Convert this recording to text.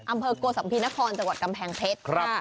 อำเภอโกสัมภีนครจังหวัดกำแพงเพชร